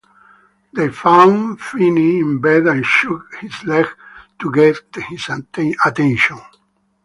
They found Feeney in bed and shook his leg to get his attention.